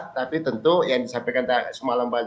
tapi tentu yang disampaikan semalam kita harus menang